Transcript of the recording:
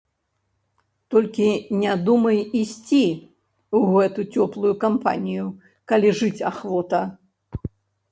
Толькі не думай ісці ў гэту цёплую кампанію, калі жыць ахвота.